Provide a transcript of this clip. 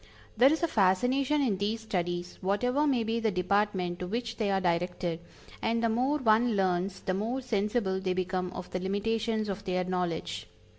There is a fascination in these studies, whatever may be the department to which they are directed, and the more one learns the more sensible they become of the limitations of their knowledge.